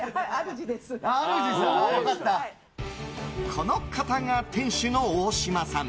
この方が店主の大島さん